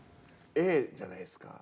Ａじゃないですか。